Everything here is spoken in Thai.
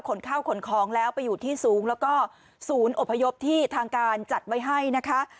ข้าวขนของแล้วไปอยู่ที่สูงแล้วก็ศูนย์อพยพที่ทางการจัดไว้ให้นะคะ